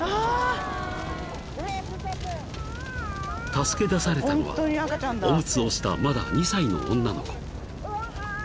［助け出されたのはおむつをしたまだ２歳の女の子］